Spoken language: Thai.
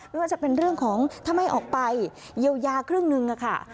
ไม่ว่าจะเป็นเรื่องของถ้าไม่ออกไปเยียวยาครึ่งหนึ่งค่ะ